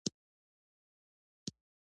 د سرپل د انګوت څاګانې فعالې دي؟